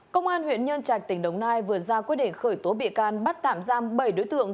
công an huyện nhân trạch tỉnh đồng nai vừa ra quyết định khởi tố bị can bắt tạm giam bảy đối tượng